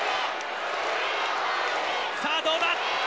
さあ、どうだ。